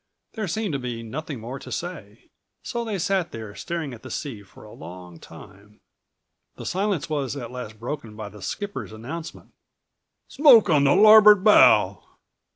There seemed to be nothing more to say. So they sat there staring at the sea for a long time. The silence was at last broken by the skipper's announcement: "Smoke on the larboard bow."